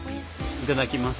いただきます。